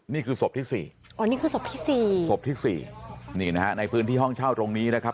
อ๋อนี่คือศพที่๔ศพที่๔นี่นะฮะในพื้นที่ห้องเช่าตรงนี้นะครับ